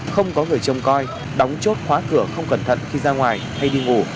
không có người trông coi đóng chốt khóa cửa không cẩn thận khi ra ngoài hay đi ngủ